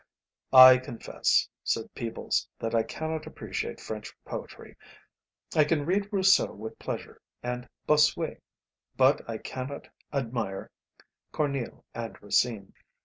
"I confess," said Peebles, "that I cannot appreciate French poetry. I can read Rousseau with pleasure, and Bossuet; but I cannot admire Corneille and Racine."